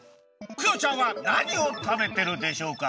クヨちゃんはなにを食べてるでしょうか？